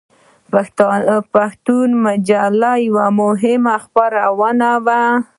پښتون مجله یوه مهمه خپرونه وه.